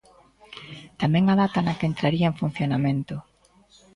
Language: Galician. Tamén a data na que entraría en funcionamento.